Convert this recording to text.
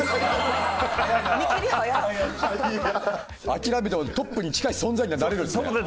諦めてもトップに近い存在にはなれるんですね。